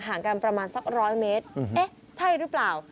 ห่างกันประมาณสัก๑๐๐เมตรเอ๊ะใช่หรือเปล่า